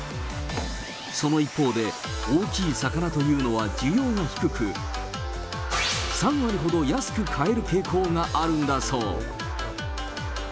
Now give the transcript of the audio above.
その一方で、大きい魚というのは需要が低く、３割ほど安く買える傾向があるんだそう。